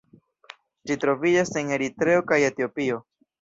Ĝi troviĝas en Eritreo kaj Etiopio.